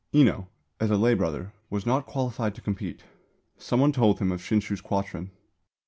_ Enō, as a lay brother, was not qualified to compete. Some one told him of Shinshū's quatrain.